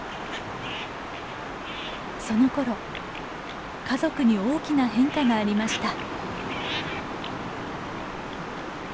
そのころ家族に大きな変化がありました。